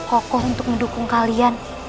kokoh untuk mendukung kalian